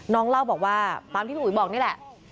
น้องเล่าบอกว่าพี่ภูริบอกนี่แหละ